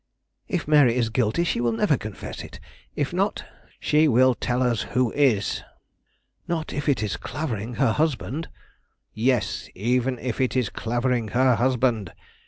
"If Mary is guilty, she will never confess it. If not " "She will tell us who is." "Not if it is Clavering, her husband." "Yes; even if it is Clavering, her husband.